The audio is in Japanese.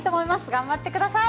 頑張ってください。